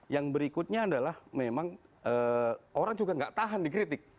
yang berikutnya adalah memang orang juga nggak tahan dikritik